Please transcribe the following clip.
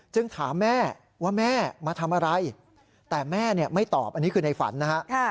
ถามแม่ว่าแม่มาทำอะไรแต่แม่ไม่ตอบอันนี้คือในฝันนะฮะ